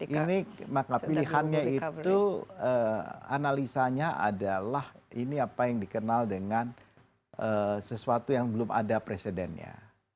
ini maka pilihannya itu analisanya adalah ini apa yang dikenal dengan sesuatu yang belum ada presidennya